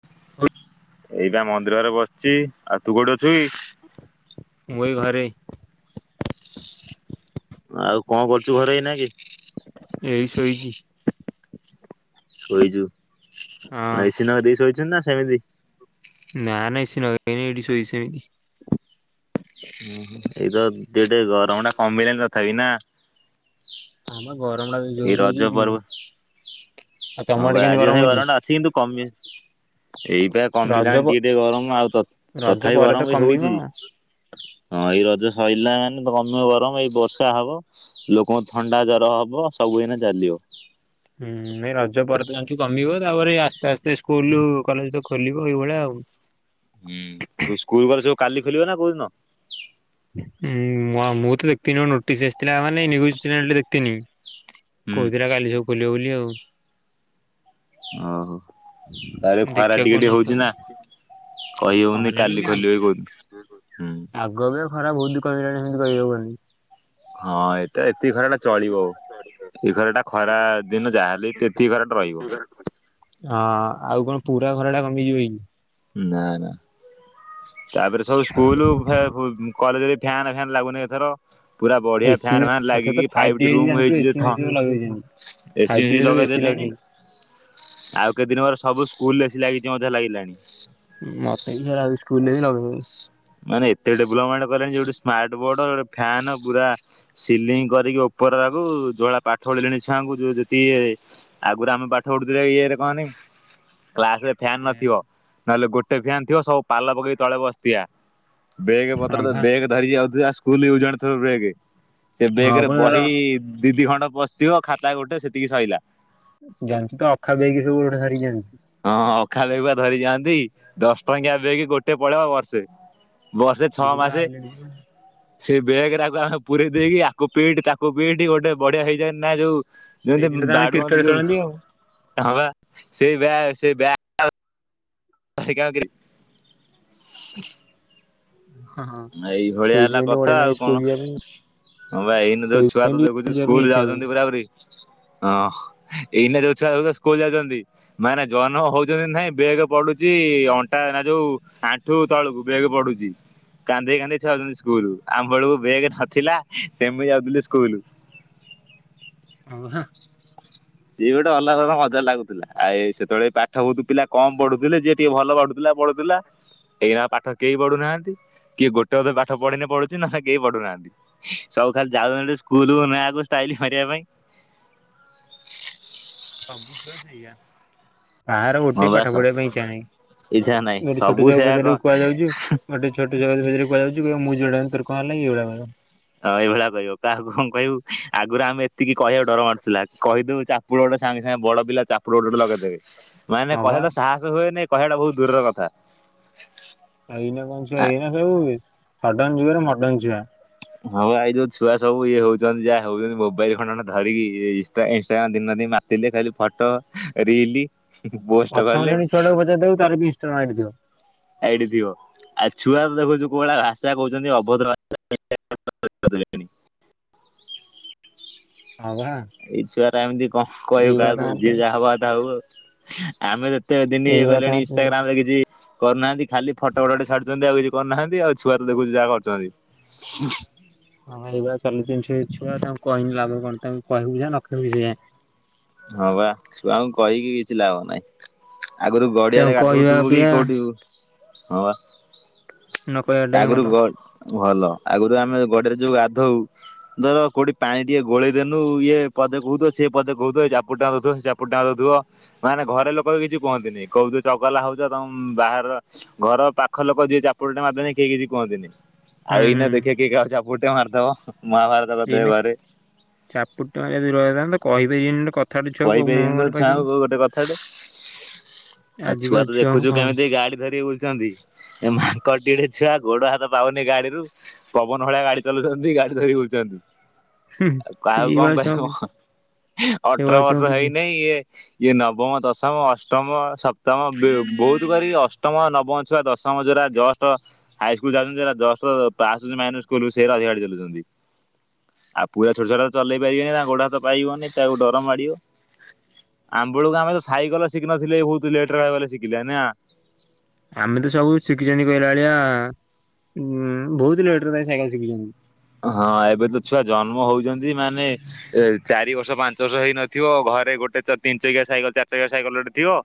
[unintelligible] ଏଇ ବା ମନ୍ଦିରରେ ବସିଚି ଆଉ ତୁ କୋଉଠି ଅଛୁ କି? ମୁଁ ଏଇ ଘରେ। ଆଉ କଣ କରୁଚୁ ଘରେ ଏଇ ନା କେଁ? ଏଇ ଶୋଇଛି। ଶୋଇଚୁ? ହଁ। [unintelligible] ନା ସେମିତି। ନା [unintelligible] ଚୋଇଛି ସେମିତି। ଉୁଁ ଏଇତ ଦଟେ ଗରମ ଟା କମିଲଣି ନଥାବି ନା। ନା ମ ଗରମ ଟା ଏଇ ଜୋର ରଜ ହଉଛି। ପର୍ବ ଆଉ ତମ ହଁ ଆଡେ ବା କେମିତି ଆଜି [unintelligible] ହଉଛି ଗରମ ଟା ଅଛି କିନ୍ତୁ କମି ଏଇପା ରଜ କମିଲାଣି ଟିକେ ଟିକେ ଗରମ ଆଉ ରଜ ତଥାପି ପରେ ତ ଗରମ ବି କମିବ ହଉଛି। ହୁଁ ହଁ ଏଇ ରଜ ସରିଲା ମାନେ କମିବ ଗରମ ଏଇ ବର୍ଷା ହବ। ଲୋକଙ୍କୁ ଥଣ୍ଡା ଜର ହବ ସବୁଦିନ ଚାଲିବ। ହୁଁ ଏ ରଜ ପର ଜାଣିଛୁ କମିବ ତାପରେ ଆସ୍ତେ ଆସ୍ତେ ସ୍କୁଲ କଲେଜ ତ ଖୋଲିବ ଏଇଭଳିଆ ଆଉ। [inaudible] ହୁଁ ତୁ ସ୍କୁଲ ଘର ସବୁ କାଲି ଖୋଲିବ ନା କୋଉଦିନ? ଉଁ ମୁଁ ତ ଦେଖତିିନି ନୋଟିସ୍ ଆସିଥିଲା ମାନେ ନିଉଜୁ ଚ୍ୟାନେଲ ଦେଖିଥିନି। ହୁଁ କହୁଥିଲା କାଲି ସବୁ ଖୋଲିବା ବୋଲି ଆଉ। ଓହୋ ତାପରେ ଖରା ଦେଖିବା ଟିକେ କଣ ଟିକେ ହଉଚି ନା। କହି ହଉନେହିଁ ଖରାଟା ବି କାଲି ଖୋଲିବେ କି କୋଉଦିନ ହୁଁ। ଆଗ ଅପେକ୍ଷା ଖରା ବହୁତୁ କମିଲାଣି ସେମିତି କହିବାକୁ ଗନେ। ହଁ ଏଇଟା ଏତିକି ଖରା ଟା ଚଳିବ ଓଉ। ଏଇ ଘର ଟା ଖରା ଦିନ ଯାହାହେଲେ ବି ଏତିକି ଘରା ଟା ରହିବ। ହଁ ଆଉ କଣ ପୁରା ଖରା ଟା କମିଯିବ କି? ନା ନା ତାପରେ ସବୁ ସ୍କୁଲୁ ଫା କି? ଫୁ କଲେଜରେ ଫ୍ୟାନ୍ ଫ୍ୟାନ୍ ଲାଗୁନି ଏଥର। ପୁରା ବଢିଆ ଏସି ଫ୍ୟାନ୍ ଫ୍ୟାନ୍ ଏଥର ତ ଲାଗିକି ଫାଇଭ୍ ଟି ଫାଇଟି ହେଇଛି ରୁମ୍ ଜାଣିଛୁ ହେଇଚି ଏସି ଥ ମେସି ସବୁ ଲଗେଇଛନ୍ତି। ଫାଇଭ୍ ଏସିି ଟି ଫେସି ରେ ସବୁ ଏସି ଲଗେଇଦେଲେଣି। ଲାଗିଛି। ଆଉ କେତେ ଦିନ ପରେ ସବୁ ସ୍କୁଲୁରେ ଏସି ଲାଗିଯିବ ମତେଯାହା ଲାଗିଲାଣି। ମତେ ବି ସେୟା ଲାଗୁଚି ସ୍କୁଲେ ବି ଲଗେଇ ଦେବେ। ମାନେ ଏତେ ଡେଲପମେଣ୍ଟେ କଲେଣି ସ୍ମାର୍ଟ ବୋର୍ଡୋ ଫ୍ୟା ନ୍ ପୁରା ସିଲିଙ୍ଗି କରିକି ଉପର ଆକୁ ଯୋଭଳିଆ ପାଠ ପଢଳିଲେଣି ଛୁଆଙ୍କୁ ଯୋଉ ଯେତିଇଏ ଆଗରୁ ଆମେ ପାଠ ପଢୁଥିଲେ ଇଏରେ କହନି କ୍ଲାସ୍ ରେ ଫ୍ୟାନ୍ ନଥିବ ନହେଲେ ଗୋଟେ ଫ୍ୟାନ୍ ଥିବ ସବୁ ପାଲ ପକେଇକି ତଳେ ବସିଥିବା। ବେଗେ ହଁ ପତ୍ର ବା ବେଗେ ଧରିକି ଯାଉଥୁବସ୍କୁଲୁ ଇୟୁଯୁ ଆଣ୍ଡେ ଥ୍ରେ ବେଗ୍। ସେ ବେଗେ ହଁ ରେ ପା ବହି ଦି ଦି ଖଣ୍ଟ ପସିଥିବ ଖାତା ଗୋଟେ ସେତିକି ସରିଲା। ଜାଣିଚୁ ତ ଅଖା ବେଗେ ସବୁ ଗୋଟେ ଗୋଟେ ଧରିକି ଜାଆନ୍ତି। ହଁ ଅଖା ବେଗେ ଧରି ଯାଆନ୍ତି ଦଶ ଟଙ୍କିଆ ବେଗେ ଗୋଟେ ପଳେଇବ ବର୍ଷେ। ବର୍ଷେ ସିଏ ଛଅ ତ ପୁରା ମାସେ। ହାଇଲାଇଟ୍ ଥିଲା। ସେଇ ବ୍ୟାଗେ ରାକୁ ଆମେ ପୁରେଇ ଦେଇକି ଆକୁ ପିଇଟି ତାକୁ ପିଇଟି ଗୋଟେ ବଢିଆ ହେଇଯାଏ ନା ଏଇ ଯୋଉ। ଯେମତି ସେଇଥିରେ ତ ଆମେ ବାଡୁଅନ୍ତି କ୍ରିକେଟ ଯୋଉ ଖେଳନ୍ତି ଆଉ। ହଁ ପା ସେଇ ବ୍ୟାଗ୍ ସେଇ ବ୍ୟାଗ୍ [inaudible] ହଁ ହଁ ଏଇଭଳିଆ ହେଲା ସେଇଥିପାଇଁ ତ କଥା ବଢିଆ ଆଉ ଲାଗେ କଣ। ସ୍କୁଲ ଯିବା ପାଇଁ। ହଁ ପା ଏଇନେ ଯୋଉ ଛୁଆ ସେଇଥିପାଇଁ ତ ଦେଖୁଛୁ ଟିକେ ଯିବା ପାଇଁ ସ୍କୁଲ ଇଚ୍ଛା ହୁଏ। ଯାଉଚନ୍ତି ପୁରା ପୁରି ହଁ। ଏଇନା ଯୋଉଛୁଆ ସଵୁତ ସ୍କୁଲୁ ଯାଉଚନ୍ତି। ମାନେ ଜନ୍ମ ହଉଚନ୍ତି କି ନାଇଁ ବେଗେ ପଡ଼ୁଚି ଅଣ୍ଟା ନା ଯୋଉ ଆଣ୍ଠୁ ତଳକୁ ବେଗେ ପଡ଼ୁଚି। କାନ୍ଧେଇ କାନ୍ଧେଇ ଛୁଆ ଯାଉଚନ୍ତି ସ୍କୁଲୁକୁ ଆମ ବୋଳୁକୁ ବେଗେ ନଥିଲା ସେମିତି ଯାଉଥିଲେ ସ୍କୁଲୁକୁ। ଓହୋ। ସିଏ ଗୋଟେ ଅଲଗା ପ୍ରକାର ମଜା ଲାଗୁଥୁଲା ଆଉଏଇ ସେତେବେଳେ ପାଠ ବହୁୁତୁ ପିଲା କମ୍ ପଢୁଥୁଲେ ଯିଏ। ତି ଭଲ ବାଡୁଥୁଲା ପଡ଼ୁଥିଲା। ଏଇନା ଆଉ ପାଠ କେହି ପଢୁନାହାନ୍ତି କିଏ ଗୋଟେ ଅଧେ ପାଠ ପଢିନେ ପଢୁଚି ନହେଲେ କେହି ପଢୁନାହାନ୍ତି। ସବୁ ଖାଲି ଯାଉଛଣ୍ଟି ସ୍କୁଲକୁ ନୂଆକୁ ଷ୍ଟାଇଲି ମରିବା ପାଇଁ। ସବୁ ଛୁଆ ସେଇଆ। କାହାର ହଁ ଗୋଟେ ପାଠ ବାସ ପଢ଼ିବା ପାଇଁ ଇଚ୍ଛା ଇଚ୍ଛା ନାହିଁ ଗୋଟେ ସବୁ ଛୋଟ ଛୁଆକୁ ସେୟା ପଚାରିବୁ କୁଆ ଯାଉଚୁ ଗୋଟେ ଛୋଟ ଛୁଆକୁ ତୁ ପଚିରିବୁ କୁଆଡ଼େ ଯାଉଚୁ କହିବ ମୁଁ ଯୁଆଡ଼େ ଗନି ତୋର କଣ ଗଲା କି? ଏଇ ଭଳିଆ କହିବ। ହଁ ଏଇ ଭଳିଆ କହିବ କାହାକୁ କଁ କହିବୁ ଆଗୁରୁ ଆମେ ଏତିକି କହିବାକୁ ଡର ମାରୁୁଥିଲା କହିଦବୁ ଚା ପୁଡ଼ ଗୋଟେ ସାଙ୍ଗେ ସାଙ୍ଗେ ବଡ଼ ପିଲା ଚାପୁଡ଼ ଗୋଟେ ଗୋଟେ ଲଗେଇଦେବେ। ମାନେ ହଁ ବା କହିବା ତ ସାହସ ହୁଏନେଇ କହିବାଟା ବୋହୁ ଦୂରର କଥା। ଏଇନା କଣ ଛୁଆ ଆ ଏଇନା ସେବୁ ସଡନ ଯୁଗରେ ମଡ଼ନ ଛୁଆ। ହଁ ପା ଏଇ ଯୋଉ ଛୁଆ ସବୁ ଇଏ ହୋଉଚନ୍ତି ଯାହା ହୋଉଚନ୍ତି ମୋବାଇଲ୍ ଖଣ୍ଡେ ଅଣ୍ଡେ ଧରିକି ଇଏ ଇନଷ୍ଟା ଏନଷ୍ଟାଗ୍ରାମ ଦିନ ରାତି ମା ତିଲେ ଖାଲି ଫଟୋ ରିଲି। ପ୍ରଥମ ଶେଣୀ ଛୁଆଟାକୁ ପଚାରି ଦବୁ ତାର ଇଷ୍ଟମ ଆଇଡି ଥିବ। ଆଇଡ଼ି ଥିବ ଆ ଛୁଆ ତ ଦେଖୁଚୁ କୋଉ ଭଳିଆ ଭାଷା କୋହୁଚନ୍ତି ଅଭଦ୍ର ଭା [unintelligible] [unintelligible] ହଁ ବା ଏଇ ଛୁଆ ଟା ଏମିତି କଣ କହିବୁ ଏଇଭଳିଆ କାହାକୁ ତାଙ୍କର ଯେ ଯିଏ ଯାହା ତା ଭାବୁ ଆଉ। ଆମେ ଯେତେ ଦିନ ଇଏ ଏଇଭଳିଆ କଲେଣି ତାଙ୍କର ଯେ ଇଷ୍ଟାଗ୍ରାମ୍ ରେ କିଛି କରୁନାହାନ୍ତି ଖାଲି ଫଟୋ ଏଡିଟି ଛାଡୁଚନ୍ତି ଆଉ କିଛି କରୁନାହାନ୍ତି ଆଉ ଛୁଆ ତ ଦେଖୁଚି ଯାହା କରୁଚନ୍ତି। ହଁ ଏଇଭଳିଆ ଚାଲି ଛନି ଛୁଆ ତାଙ୍କୁ କହିକି ଲାଭ କଣ ତାଙ୍କୁ କହିବୁ ଯାହା ନ କଇବୁ ସେଇଆ। ହଁ ବା ଛୁଆଙ୍କୁ କହିକି କିଛି ଲାଭ ନାହିଁ। ଆଗରୁ ତାଙ୍କୁ ଗଡିଆରେ କହିବା ଗାଧଉଥିବୁ କି ଅପେକ୍ଷା କୋଉଠି ହଁ। ନ କହିବାଟା ହିଁ ଭଲ ଆଗରୁ ଗ ଭଲ ଆଗରୁ ଆମେ ଗଡିଆରେ ଯୋଉ ଗାଧଉ ଧର କୋଉଠି ପାଣି ଟିକେ ଗୋଳେଇଦେଲୁ ଇଏ ପଦେ କହୁଥିବ ସିଏ ପଦେ କହୁଥବେ ଏ ଚାପୁଡା ଟା ଦଉଥବ ସେ ଚାପୁଡା ଟା ଦଉଥିବ। ନା ନା ଘରେ ଲୋକ ବି କିଛି କୁହନ୍ତିନି କୋଉଥିବେ ତୁ ଚଗଲା ହଉଚ ତମ୍ ବାହାର ର ଘର ପାଖ ଲୋକ ଯିଏ ଚାପୁଡ଼ା ଟା ମାରିଦେବେ କେହି କିଛି କୁହନ୍ତିନି। ଆଉ ହୁଁ ଏଇନା ହୁଁ। ଦେଖିଆ କିଏ କାହାକୁ ଚାପୁଡା ଟେ ମାରିଦବ ମହାଭାର୍ ଏଇନେ ଚାପୁଡା ଟି ମାରିଆ ଦୂର ହେଇଥାନ୍ କହିବେ ଏମି ଯେ କଥ୍ କହିପାରିବେନି ତ ଛୁଆ ଙ୍କୁ ଗୋଟେ କଥାଟେ। ଆ ଛୁଆ ଆଜିକାଲି ତ ଛୁଆଙ୍କୁ ଦେଖୁଚୁ କଣ ହୁଁ କେମିତି ଗାଡି ଧରିକି ବୁଲୁଚନ୍ତି। ଏ ମାଙ୍କଡଟିକେ ଛୁଆ ଗୋଡ ହାତ ପାଉନି ଗାଡିରୁ ପବନ ଭଳିଆ ଗାଡି ଚଲଉଛନ୍ତି ଗାଡି ଧରି ବୁଲଚନ୍ତି। ଆଉ କାହାକୁ କଣ ସେଇଭଳିଆ ଛୁଆଙ୍କୁ କହିବ ଅଟ୍ ସେଇଭଳିଆ ଛୁଆଙ୍କୁ କିଛି ଇଏ ଇଏ ନବମ ଦଶମ ଅଷ୍ଟମ ସପ୍ତମ ବିଏ ବହୁତ କରି ଅଷ୍ ଅଷ୍ଟମ ନବମ ଛୁଆ ଦଶମ ଜଉରା ଜଷ୍ଟ ହାଇସ୍କୁଲ ଯାଉଚନ୍ତି ଜୋଉରା ଜଷ୍ଟ୍ ପାସ୍ ମାଇନର୍ ସ୍କୁଲ ରେ ସିଏ ବା ଅଧିକା ଗାଡି ଚାଲଉଚନ୍ତି। ଆଉ ପୁରା ଛୋଟ ଛୁଆ ଚଲେଇ ପାରିବେନି ତାଙ୍କ ଗୋଡାହାତ ପାଇବନି ତାକୁ ଡ ଡର ମାଡିବ। ଆମ୍ବବେଳକୁ ଆମେ ତ ସାଇକଲ ଶିଖିନଥିଲେ ଏ ବହୁତ୍ ଲେଟ୍ ରେ ଗଲେ ଶିଖିଲେ ନା। ଆମେ ତ ସବୁ ଶିଖିଚନ୍ତି କହିଲା ଭଳିଆ ଉଁ ବହୁତା ଲେଟ୍ରେ ସାଇକେଲ୍ ଶିଖିଚନ୍ତି। ହଁ ଏବେ ତ ଛୁଆ ଜନ୍ମ ହଉଚନ୍ତି ମାନେ ଏ ଚାରି ବର୍ଷ ପାଞ୍ଚ ବର୍ଷ ହେଇନଥିବ ଘରେ ଗୋଟେ ତିନି ଚକିଆ ସାଇକେଲ୍ ଚାରି ଚକିଆ ସାଇକଲ୍ ଗୋଟେ ଥିବ।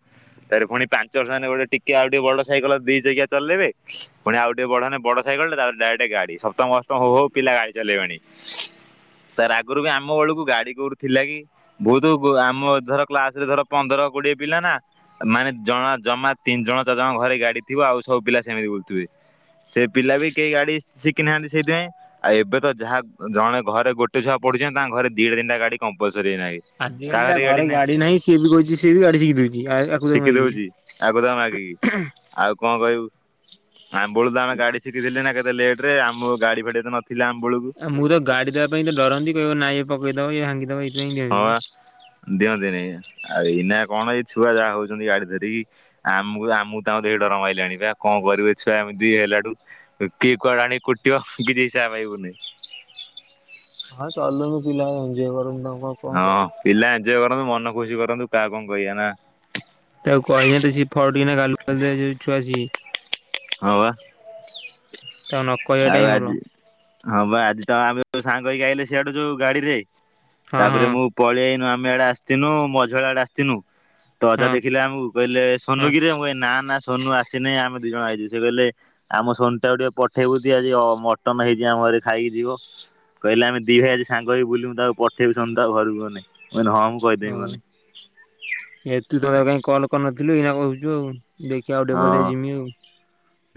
ତାପରେ ପୁଣି ପାଞ୍ଚବର୍ଷ ହେଇନି ଗୋଟେ ଟିକେ ଆଉ ଟିକେ ବଡ ସାଇକଲ ଦି ଚକିଆ ଚଲେଇବେ। ପୁଣି ଆଉ ଟିକେ ବଢହେନେ ବଡ ସାଇକେଲ ତା ପରେଡାଇରେକ୍ଟ ଗାଡି ସପ୍ତମ ଅଷ୍ଟମ ହଉ ହଉ ପିଲା ଗାଡି ଚଲେଇବେଣି। ସାର୍ ଆଗରୁ ବି ଆମ ବେଳକୁ ଗାଡି କୋଉଠୁଥିଲା କି? ବହୁତ ଆମ ଧର କ୍ଲାସ୍ ରେ ଧର ପନ୍ଦର କୋଡିଏ ପିଲା ନା ମାନେ ଜଣ ଜମା ତିନି ଜଣ ଚାରି ଜଣ ଙ୍କ ଘରେ ଗାଡି ଥିବ ଆଉ ସବୁ ପିଲା ସେମିତି ବୁଲୁଥିବେ। ସେ ପିଲା ବି କେହି ଗାଡି ଶିଖିନାହାନ୍ତି ସେଇଥିପାଇଁ। ଆଉ ଏବେ ତ ଯାହା ଜଣେ ଘରେ ଗୋଟେ ଛୁଆ ପଢୁଛନ୍ତି ତାଙ୍କ ଘରେ ଦିଟ ତିିଟା ଗାଡି କମ୍ପଲ୍ ସରୀ ଏ ନା ହେଇଗଲା। ଆଜିକାଲି ଯା ଘରେ ଗାଡି ନାହିଁ ସିଏ ବି କହୁଚି ସିଏ ବି ଗାଡି ଶିଖିଦଉଚି ଆକୁ ତାକୁ ମାଗିକି। ଆକୁତାକୁ ମାଗିକି ଆଉ କଣ କହିବୁ ଆମ୍ବୁବେଳୁ ତ ଆମେ ଗାଡି ସିଖିଥିଲି ନା କେତେ ଲେଟ୍ ରେ। ଆମ ଗାଡି ଫାଡି ଏତେ ନଥ୍ ଥିଲା ଆମ୍ବବେଳକୁ ଆମୁକୁତ ଗାଡି ଦେବା ପାଇଁ ତ ଡରନ୍ତି କହିବେ ନାଇଁ ଏ ପକେଇଦବ ଇଏ ଭାଙ୍ଗିଦବ ଇ ହଁ ବା ଦିଅନ୍ତି ନି ଆଉ ଏଇନା କଣ ଏଇ ଛୁଆ ଯାହା ହଉଚନ୍ତି ଗାଡି ଧରିକି। ଆମୁକୁ ଆମୁକୁ ତାଙ୍କୁ ଦେଖି ଡର ମାଇଲାଣି ବା କଣ କରିବୁ ଛୁଆ ଏମିତି ହେଲାଠୁ କିଏ କୁଆଡେ ଆଣି କୁଟିବ କିଛି ହିସାବ ପାଇବୁନି। ହଁ ଚାଲୁ ପିଲାଏ ଏନ୍ଜୋୟେ କରନ୍ତୁ। ଆଉ କଣ ହଁ କହିବା। ପିଲା ଏଜଂୟ କରନ୍ତୁ ମନ ଖୁସି କରନ୍ତୁ କାହା କୁକଣ କହିଆ ନାଁ। ତାକୁ କହିବଟି ସିଏ ଫଟ୍ କିନା ଗାଲୁ ପେଲିଦେବେ ଯୋଉ ଛୁଆ ସିଏ। ହଁ ବା। ତାକୁ ନ କହିବାଟା ଆଉ ହିଁ ଭଲ। ଆଜି ହଁ ବା ଆଜି ତ ଆମେ ଯୋଉ ସାଙ୍ଗ ହେଇକି ଆଇଲେ ସିଆଡ଼ୁ ଯୋଉ ଗାଡ଼ିରେ। ହଁ ହଁ ତାପରେ ମୁଁ ପଳେଇ ଆଇନୁ ଆମେ ଆଡ଼େ ଆସିଥିନୁ ମଝିପାଳ ଆଡ଼େ ଆସିଥିନୁ ତୋ ଅଜା ହଁ ଦେଖିଲେ ଆମକୁ। କହିଲେ ସୋନୁ ହଁ କିିରେ ମୁଁ କହିଲି ନା ନା ସୋନୁ ଆସିନି ଆମେ ଦି ଜଣ ଆଇଛୁ ସେ କହିଲେ ଆମ ସୋନୁ ଟାକୁ ଟିକେ ପ ଠେଇବୁ ତି ଆଜି ଅ ମଟନ ହେଇଛି ଆମ ଘରେ ଖାଇକି ଯିବ। କହିଲେ ଆମେ ଦି ଭାଇ ଆଜି ସାଙ୍ଗ ହେଇକି ବୁଲିବୁ ତାକୁ ପଠେଇବୁ ସୋନୁ ତା ଘରକୁ ଗନେ ମୁଁ କହିଲି ହଁ ମୁଁ ଓ କହିଦେବି ଗନେ ଏ ତୁ [unintelligible] କାହିଁ କଲ କରିନଥିଲୁ ଏଇନା କହୁଛୁ ଆଉ। ଦେଖିଆ ଆଉ ଟିକେ ପରେ ହଁ ଯାଇ ଜିମି।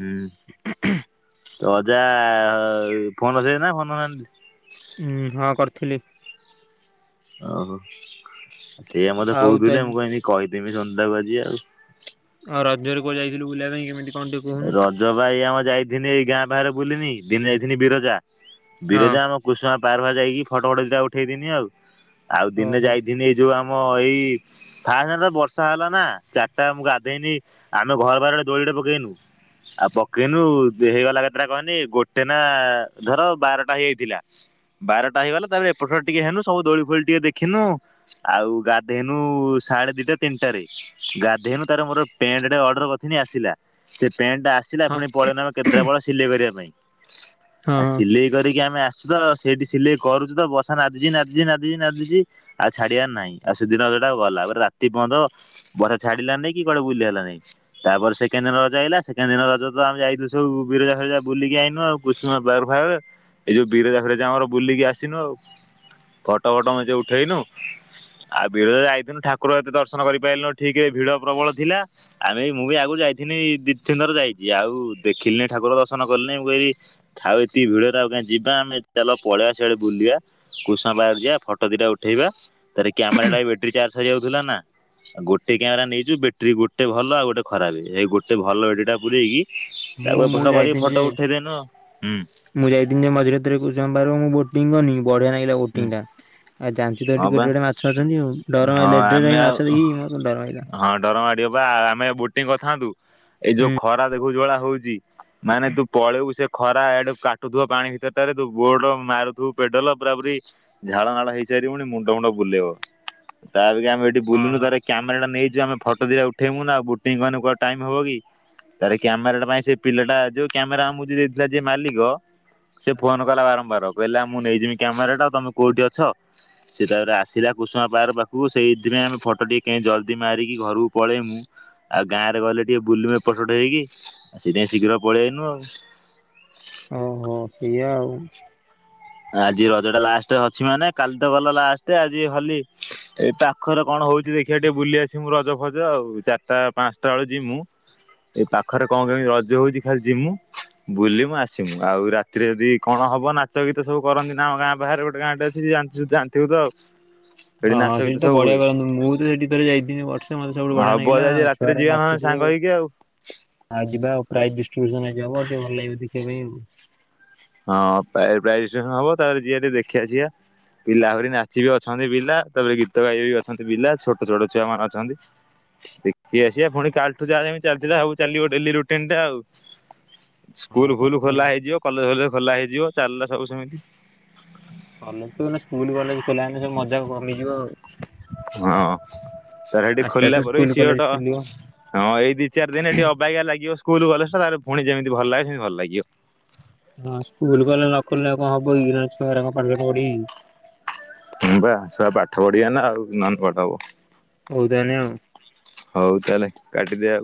ହୁଁ। ତ ଅଜା ଫୋନ୍ ଧରିଚନ୍ତି ନା ଫୋନ୍ ଧରିନାହାନ୍ତି? ଉୁଁ ହଁ କରିଥିଲି। ଓହୋ ଅ ସେଇଆ ମତେ ଆଉ ତୁ କହୁଥିଲେ ଆଜି ମୁଁ କହିନି କହିଦେମି ସୋନୁ ଟାକୁ ଆଜି ଆଉ। ଆଉ ରଜରେ କୁଆଡ଼େ ଯାଇଥିଲୁ ବୁଲିବା ପାଇଁ କେମିତି କଣ ଟିକେ କହୁନୁ? ଜ ପା ଏଇ ଆମ ଯାଇଥିନି ଏଇ ଗାଁ ବାହାରେ ବୁଲିନି ଦିନେ ଯାଇଥିନି ବିରଜା ହଁ ବିରଜା ଆମ କୁଶୁମା ପାର୍କ ଫାର୍କ ଯାଇକି ଫଟ ଫଟ ଦି ଟା ଉଠେଇଦିନି ଆଉ ଆଉ ଦିନେ ଓହୋ ଯାଇ ଦିନେ ଯୋଉ ଆମ ଏଇ ଫାଷ୍ଟ ଦିନ ତ ବର୍ଷା ହେଲା ନା ଚାରିଟା ଗାଧେଇନି ଆମେ ଘର ପାଖରେ ଗୋଟେ ଦୋଳିଟେ ପକେଇନୁ। ଆଉ ପକେଇନୁ ଦି ହେଇଗଲା କେତେଟା କହନି ଗୋଟେ ନା ଧର ବାରଟା ହେଇଯାଇଥିଲା। ବାରଟା ହେଇଗଲା ତାପରେ ଏପଟ ଟିକେ ହେନୁ ସବୁ ଦୋଳି ଫୋଳି ଟିକେ ଦେଖିନୁ। ଆଉ ଗାଧେଇନୁ ସାଢ଼େ ଦିଟା ତିନିଟାରେ। ଗାଧେଇନୁ ତାପର ମୋର ପେଣ୍ଟେ ଟେ ଅର୍ଡର କରିିଥିନି ଆସିଲା। ସେ ପେଣ୍ଟ ଟା ଆସିଲା ହଁ ପୁଣି ପଳେଇନ କେଦ୍ରାପାଳ ସିଲେଇ କରିବା ପାଇଁ। ଆ ହଁ। ସିଲେଇ କରିକି ଆମେ ଆସ ଚୁତ ସେଇଠି ସିଲେଇ କରୁଛି ତ ବର୍ସା ନାଦିଛି ନାଦଛି ନାଦିଚି ନାଦିଛି। ଆଉ ଛାଡ଼ିବାର ନାହିଁ ଆଉ ସେଦିନ ସେଟା ଗଲା ପୁରା ରାତି ପର୍ଯ୍ୟନ୍ତ ବର୍ଷା ଛାଡ଼ିଲାନି କି କୁଆଡ଼େ ବୁଲି ହେଲାନି ତାପରେ ସେକେଣ୍ଡ ଦିନ ଯାଇଲା ସେକେଣ୍ଡ ଦିନ ରଜ ତ ଆମେ ଯାଇଥିଲୁ ସବୁ ବିରଜା ଫିରଜା ବୁଲିକି ଆଇନୁ ଆଉ କୁସୁମା ପାର୍କ ଫାର୍କ। ଏଇ ଯଉ ବିରଜା ଫିରଜା ଆମର ବୁଲିକି ଆସିନୁ ଆଉ ଫଟ ଫଟ ମଞ୍ଚେ ଉଠେଇନୁ। ଆଉ ବିରଜା ଯାଇଥିନୁ ଠାକୁର ଏତେ ଦର୍ଶନ କରିପାରିଲୁନୁ ଠିକ୍ ରେ ଭିଡ଼ ପ୍ରବଳ ଥିଲା। ଆମେ ମୁଁ ବି ଆଗରୁ ଯାଇଥିନି ଦିଇ ତିନି ଥର ଯାଇଛି ଆଉ ଦେଖିଲିନି ଠାକୁର ଦର୍ଶନ କଲିଣିି ମୁଁ କହିଲି ଥାଉ ଏତିକି ଭିଡ଼ରେ ଆଉ କାଇଁ ଯିବା ଆମେ ଚାଲ ପଳେଇବା ସିଆଡ଼େ ବୁଲିବା। କୁସୁମା ପାର୍କ ଯିବା ଫଟୋ ଦିଟା ଉଠେଇବା ତାପରେ କ୍ୟାମେରାଟା ବି ବଟେରୀ ଚାର୍ଜ। ସରି ଯାଉଥିଲା ନା ଗୋଟେ କ୍ୟାମେରା ନେଇଛୁ ବେଟେରୀ ଗୋଟେ ଭଲ ଆଉ ଗୋଟେ ଖରାପ ଏଇ ଗୋ ସେ ଭଲ ବ୍ୟାଟେରୀ ପୁରେଇକି ମୁଁ ତାକୁ ଏପଟ ମୁଁ ସେପଟ କରିକି ଯାଇଥିଲି ଯେ ଫଟୋ ଉଠେଇଦେନୁ ଆଉ ହୁଁ। ମୁଁ ଯାଇଥିବି ଯେ ମଝିରେ ଥରେ କୁସୁମା ପାର୍କ ମୁଁ ବୋଟିଂ କନି ବଢ଼ିଆ ଲାଗିଲା ହୁଁ ବୋଂଟି ଟା। ଆଉ ଜାଣିଛୁ ତ ହେଠି ହଁ କେଡେ ବା କେଡେ ମାଛ ଅଛନ୍ତି ଆଉ ଡର ହଁ ମାଇଲା ଏଡେ ଏଡେ [unintelligible] ମାଛ ଦେଖି କି ମତେ ଡର ମାଇଲା। ଡର ମାଡ଼ିବ ପା ଆ-ଆମେ ବୋଟିଂ କରିଥାନ୍ତୁ ଏ ଯୋଉ ହୁଁ। ଖରା ଦେଖୁଛୁ ଯୋଉ ଭଳିଆ ହୋଉଛି। ମାନେ ତୁ ପଳେଇବୁ ସେ ଖରା ଏଡୁ କାଟୁଥିବ ପାଣି ଭିତରଟାରେ ତୁ ବୋଟ ମାରୁଥିବୁ ପେଡାଲ ପୁରା ପୁରି ଝାଳ ନାଳ ହେଇସାରିବୁଣି ମୁଣ୍ଡ ଫୁଣ୍ଡ ବୁଲେଇବ ତା ଅପେକ୍ଷା ଆମେ ହେଠି ବୁଲୁନୁ ହଁ। ତାପରେ କ୍ୟାମେରା ଟା ନେଇଚୁ ଆମେ ଫଟୋ ଦିଟା ଉଠେଇବୁ ନା ଆଉ ବୁଟିଂ କଲେ କୁଆଡ଼େ ଟାଇମ ହବ କି। ତାପରେ କ୍ୟାମେରାଟା ପାଇଁ ସେ ପିଲାଟା ଯୋଉ କ୍ୟାମେରା ଆମକୁ ଯିଏ ଦେଇଥିଲା ଯିଏ ମାଲିକ। ସେ ଫୋନ କଲା ବାରମ୍ବାର କହିଲା ମୁଁ ନେଇଯିବି କ୍ୟାମେରା ଟା ତମେ କୋଉଠି ଅଛ। ସେ ତାପରେ ଆସିଲା କୁସୁମା ପାର୍କ ପାଖକୁ ସେଇଥିପାଇଁ ଆମେ ଫଟୋ ଟିକେ କେଁ ଜଲଦି ମାରିକି ଘରକୁ ପଳେଇମୁ। ଆଉ ଗାଁ ରେ ଗଲେ ଟିକେ ବୁଲିବୁ ଏପଟ ସେପଟ ହେଇକି ଆଉ ସେଥିପାଇଁ ଶୀଘ୍ର ପଳେଇ ଆଇନୁ ଆଉ। ଓହୋ ସେୟା ଆଉ। ଆଜି ରଜ ଟା ଲାଷ୍ଟ୍ ଅଛି ମାନେ କାଲି ତ ଗଲା ଲାଷ୍ଟ୍ ଆଜି ହଲି। ଏ ପାଖରେ କଣ ହୋଉଛି ଦେଖିଆ ଟିକେ ବୁଲି ଆସିବୁ ରଜ ଫଜ ଆଉ ଚାରିଟା ପାଞ୍ଚଟା ବେଳେ ଯିମୁ। ଏଇ ପାଖରେ କଣ କେମିତି ରଜ ହୋଉଛି ଖାଲି ଜିମୁ। ବୁଲି ମୁଁ ଆସିମୁ ଆଉ ରାତିରେ ଯଦି କଣ ହବ ନାଚ ଗି ଏତେ ସବୁ କରନ୍ତି ନା ଆମ ଗାଁ ବାହାରେ ଗୋଟେ ଗାଁ ଟେ ଅଛି ଜାଣିଛୁ ଜାଣିଥିବୁ ଆଉ। ଓଁ ନାଚ ହଁ ଗୀତ ସେଠି ତ ସବୁ ବଢିଆ ହୁଏ। କରନ୍ତି, ମୁଁ ତ ସେଠିଥରେ ଯାଇଥିଲି ବର୍ଷେ ମତେ ସବୁଠୁ ବଢିଆ ହବ ଲାଗିଲା। ଯଦି ରାତିରେ ଘରେ ଯିବା ନହେଲେ ସାଙ୍ଗ ନଥିଲି। ହେଇକି ଆଉ। ଆଉ ଯିବା ଆଉ ପ୍ରାଇଜ ଡିଷ୍ଟ୍ରିବ୍ୟୁସନ ଆଜି ହବ ଟିକେ ଭଲ ଲାଗିବ ଦେଖିବା ପାଇଁ ଆଉ। ହଁ ପ୍ରାଇଜ୍ [unintelligible] ହବ ତାପରେ ଯିିବା ଟିକେ ଦେଖିଆସିବା। ପିଲା ଆହୁରି ନାଚିବେ ଅଛନ୍ତି ପିଲା ତାପରେ ଗୀତ ଗାଇବେ ବି ଅଛନ୍ତି ପିଲା ଛୋଟ ଛୋଟ ଛୁଆ ମାନେ ଅଛନ୍ତି। ଦେଖି ଆସିବା ପୁଣି କାଲିଠୁ ଯାହା ଯେମିତି ଚାଲିଥିଲା ଆଉ ଚାଲିବ ଡେଲିରୁଟିନ୍ ଟା ଆଉ। ହଁ ସ୍କୁଲ୍ ସେ ଫୁଲୁ ଖୋଲା ହେଇଯିବ, କଲେଜ୍ ଫଲେଜ୍ ଖୋଲା ହେଇଯିବ ଚାଲିଲା ସବୁ ସେମିତି। କଲେଜ ଗଲେ ସ୍କୁଲ କଲେଜ ଖୋଲା ହେଲେ ସବୁ ମଜା କମିଯିବ ଆଉ। ହଁ ତାର ସାର୍ ଏଠି ଆସ୍ତେ ଖୋଲିଲା ଆସ୍ତେ ପରେ ବି ସ୍କୁଲ ସିଏ କଲେଜ ଗୋଟେ ଖୋଲିବ। ହଁ ଏଇ ଦି ଚାର୍ ଦିନ୍ ଏଠି ଅବାଗିଆ ଲାଗିବ ସ୍କୁଲ କଲେଜ୍ ଟା ତା ପରେ ପୁଣି ଯେମିତି ଭଲ ଲାଗେ ସେମିତି ଭଲ ଲାଗିବ। ହଁ ସ୍କୁଲ କଲେଜ୍ ନ ଖୋଲିଲେ ଆଉ କଣ ହବକି ଛୁଆରା ପାଠଶାଠ ପଢିବେ କି। ହଁ ପା ଛୁଆ ପାଠ ପଢିବେ ନା ଆଉ ନ ହେଲେ ପାଠ ହବ। ହଉ ତାନେ ଆଉ। ହଉ ତାହେଲେ କାଟିଦେ ଆଉ।